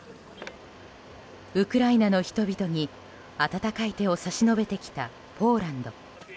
ウクライナの人々に温かい手を差し伸べてきたポーランド。